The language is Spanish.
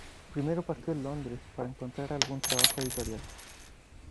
Primero partió a Londres para encontrar algún trabajo editorial.